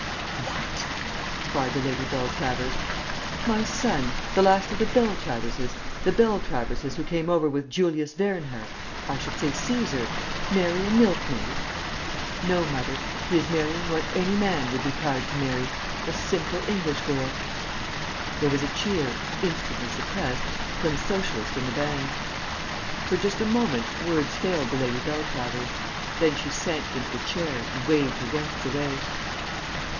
"What!" cried the Lady Beltravers. "My son, the last of the Beltraverses, the Beltraverses who came over with Julius Wernher, I should say Cæsar, marry a milkmaid?" "No, mother. He is marrying what any man would be proud to marry a simple English girl." There was a cheer, instantly suppressed, from a Socialist in the band. For just a moment words failed the Lady Beltravers. Then she sank into a chair, and waved her guests away.